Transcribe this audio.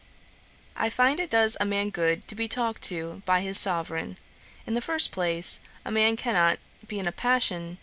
I find it does a man good to be talked to by his Sovereign. In the first place, a man cannot be in a passion